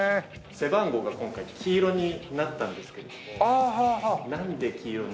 背番号が今回黄色になったんですけれどもなんで黄色にしたか。